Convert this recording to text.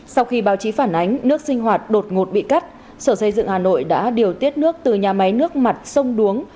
sau khi báo chí phản ánh nước sinh hoạt đột ngột bị cắt sở dây dựng hà nội đã điều tiết nước từ nhà máy nước mặt sông đuống